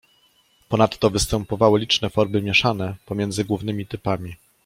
Ponadto występowały liczne formy mieszane pomiędzy głównymi typami.